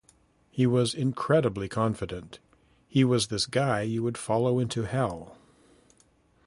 He was incredibly confident...he was this guy you would follow into hell.